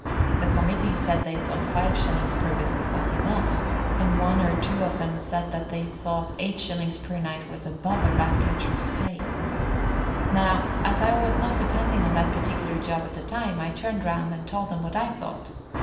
The committee said they thought 5s. per visit was enough, and one or two of them said they thought 8s. per night was above a Rat catcher's pay. Now, as I was not depending on that particular job at the time, I turned round and told them what I thought.